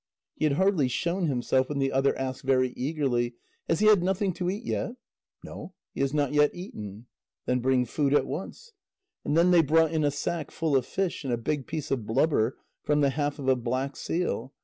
He had hardly shown himself, when the other asked very eagerly: "Has he had nothing to eat yet?" "No, he has not yet eaten." "Then bring food at once." And then they brought in a sack full of fish, and a big piece of blubber from the half of a black seal.